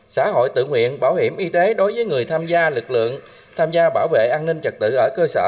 xã hội tự nguyện bảo hiểm y tế đối với người tham gia lực lượng tham gia bảo vệ an ninh trật tự ở cơ sở